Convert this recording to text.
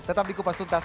tetap di kupas tuntas